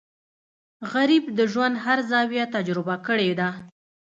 غریب د ژوند هر زاویه تجربه کړې ده